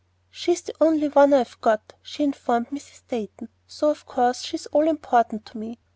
"She's the only one I've got," she informed Mrs. Dayton; "so of course she's all important to me.